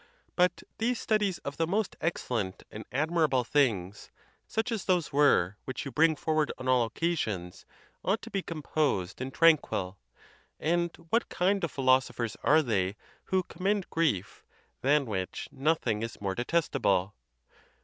But these studies of the most excellent and admirable things, such as those were which you bring forward on all occasions, ought to be composed and tran quil; and what kind of philosophers are they who com mend grief, than which nothing is more detestable?